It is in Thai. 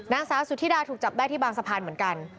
นางสาวสุธิดาถูกจับได้ที่บางสะพานเหมือนกัน